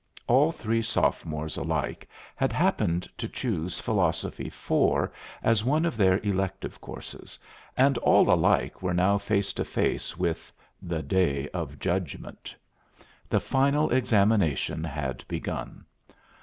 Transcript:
All three sophomores alike had happened to choose Philosophy 4 as one of their elective courses, and all alike were now face to face with the Day of Judgment. The final examinations had begun.